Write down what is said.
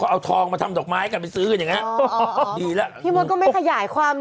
ไว้น้องกระต่าวแล้วคือยังไงต้มใส่หม้อฮ่า